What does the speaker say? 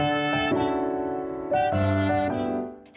ซึ่งหลังจากที่เราทำการปิดโหวตในเวลา๑๘นาฬิกาวันนี้